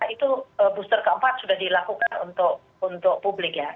itu booster keempat sudah dilakukan untuk publik ya